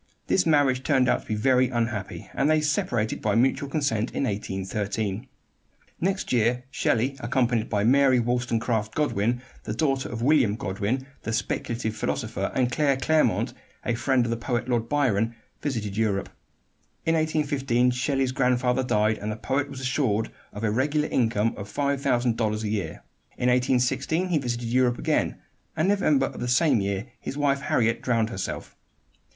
This marriage turned out to be very unhappy, and they separated by mutual consent in 1813. The next year Shelley, accompanied by Mary Wollstonecraft Godwin, the daughter of William Godwin, the speculative philosopher, and Claire Clairmont, a friend of the poet Lord Byron, visited Europe. In 1815 Shelley's grandfather died, and the poet was assured of a regular income of $5,000 a year. In 1816 he visited Europe again, and in November of the same year his wife Harriet drowned herself.